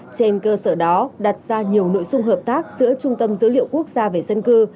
trên cơ sở đó đặt ra nhiều nội dung hợp tác giữa trung tâm dữ liệu quốc gia về dân cư